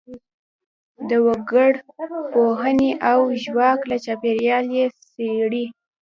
د وګړپوهنې او ژواک له چاپیریال یې څېړو.